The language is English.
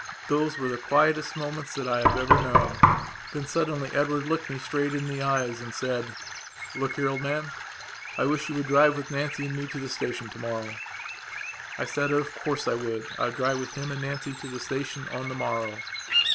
Those were the quietest moments that I have ever known. Then, suddenly, Edward looked me straight in the eyes and said: "Look here, old man, I wish you would drive with Nancy and me to the station tomorrow." I said that of course I would drive with him and Nancy to the station on the morrow.